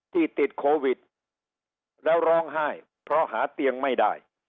ติดโควิดแล้วร้องไห้เพราะหาเตียงไม่ได้